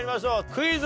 クイズ。